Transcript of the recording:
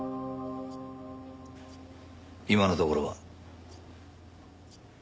今のところは。